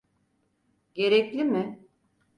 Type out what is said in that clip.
Gerekli mi?